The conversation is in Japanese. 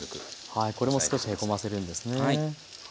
はいこれも少しへこませるんですね。